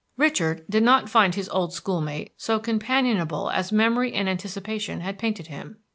Richard did not find his old schoolmate so companionable as memory and anticipation had painted him.